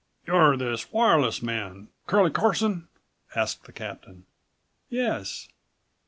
"You're this wireless man, Curlie Carson?" asked the captain. "Yes."